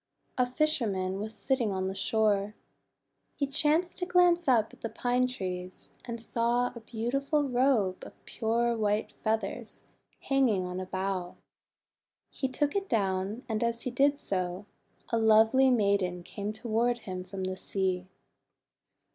A fisherman was sitting on the shore. He chanced to glance up at the Pine Trees, and saw a beautiful robe of pure white feathers hanging on a bough. He took it down, and as he did so, a lovely maiden came toward him from the sea.